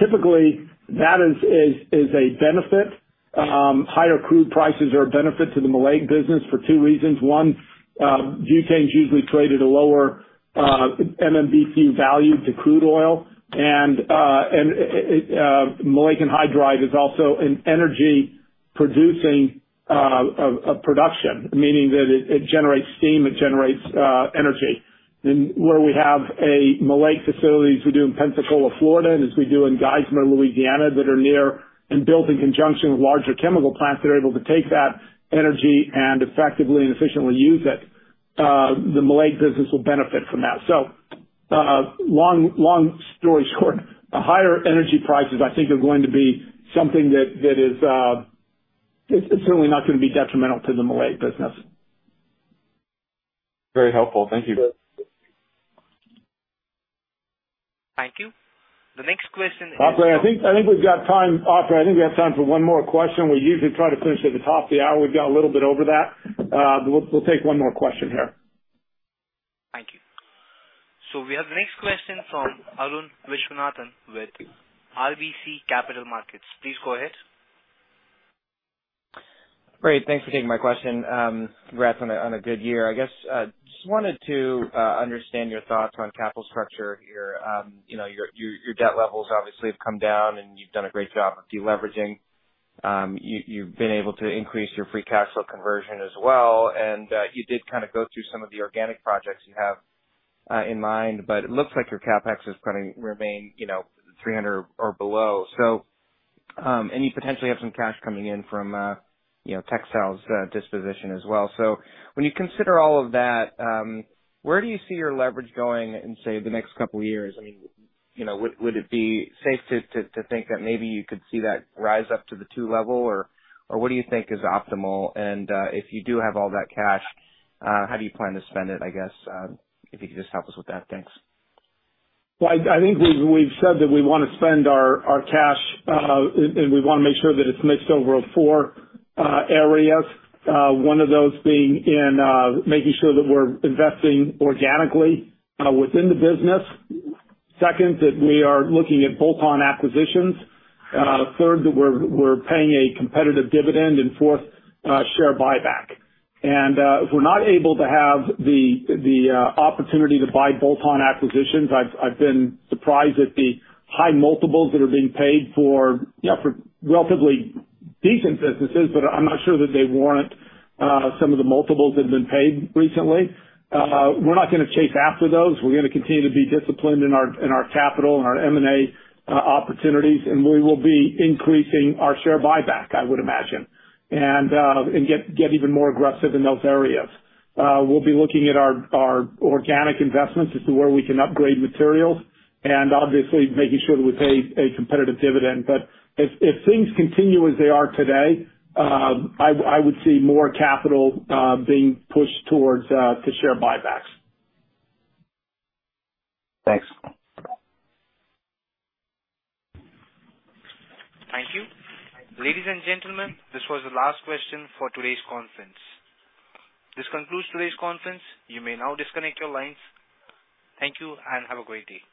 Typically that is a benefit. Higher crude prices are a benefit to the maleic business for two reasons. One, butane's usually traded at a lower MMBtu value to crude oil. Maleic anhydride is also an energy producing production, meaning that it generates steam, it generates energy. Where we have a maleic facility, as we do in Pensacola, Florida, and as we do in Geismar, Louisiana, that are near and built in conjunction with larger chemical plants that are able to take that energy and effectively and efficiently use it, the maleic business will benefit from that. Long story short, higher energy prices I think are going to be something that is. It's certainly not going to be detrimental to the maleic business. Very helpful. Thank you. The next question is. Operator, I think we have time for one more question. We usually try to finish at the top of the hour. We've gone a little bit over that. We'll take one more question here. Thank you. We have the next question from Arun Viswanathan with RBC Capital Markets. Please go ahead. Great. Thanks for taking my question. Congrats on a good year. I guess just wanted to understand your thoughts on capital structure here. You know, your debt levels obviously have come down, and you've done a great job with de-leveraging. You've been able to increase your free cash flow conversion as well. You did kind of go through some of the organic projects you have in mind, but it looks like your CapEx is going to remain, you know, $300 million or below. You potentially have some cash coming in from you know, textiles disposition as well. When you consider all of that, where do you see your leverage going in, say, the next couple years? I mean, you know, would it be safe to think that maybe you could see that rise up to the two level? Or what do you think is optimal? If you do have all that cash, how do you plan to spend it, I guess? If you could just help us with that. Thanks. Well, I think we've said that we want to spend our cash, and we want to make sure that it's mixed over four areas. One of those being in making sure that we're investing organically within the business. Second, that we are looking at bolt-on acquisitions. Third, that we're paying a competitive dividend. Fourth, share buyback. If we're not able to have the opportunity to buy bolt-on acquisitions, I've been surprised at the high multiples that are being paid for, you know, for relatively decent businesses, but I'm not sure that they warrant some of the multiples that have been paid recently. We're not going to chase after those. We're going to continue to be disciplined in our capital and our M&A opportunities, and we will be increasing our share buyback, I would imagine. We'll get even more aggressive in those areas. We'll be looking at our organic investments as to where we can upgrade materials and obviously making sure that we pay a competitive dividend. If things continue as they are today, I would see more capital being pushed to share buybacks. Thanks. Thank you. Ladies and gentlemen, this was the last question for today's conference. This concludes today's conference. You may now disconnect your lines. Thank you and have a great day.